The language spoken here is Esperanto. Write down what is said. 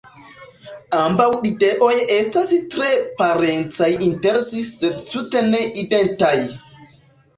Ambaŭ ideoj estas tre parencaj inter si sed tute ne identaj.